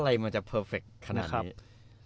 อะไรมันจะเพอร์เฟคขนาดนี้